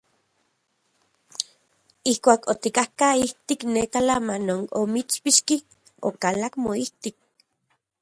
Ijkuak otikatka ijtik neka lama non omitspixki, okalak moijtik.